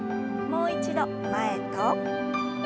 もう一度前と。